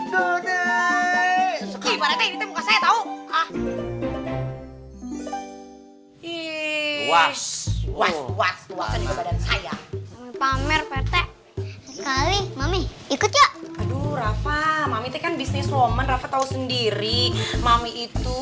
pamer pt sekali mami ikut yuk aduh rafa mami tekan bisnis roman rafa tahu sendiri mami itu